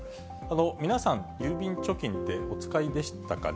皆さん、郵便貯金って、お使いでしたかね。